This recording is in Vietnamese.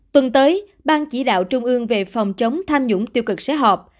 tuần tới ban chỉ đạo trung ương về phòng chống tham nhũng tiêu cực sẽ họp